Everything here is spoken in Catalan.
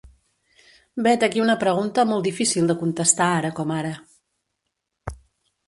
Vet aquí una pregunta molt difícil de contestar ara com ara.